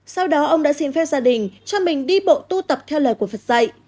sau đó ông đã xin phép gia đình cho mình đi bộ tu tập theo lời của phật dạy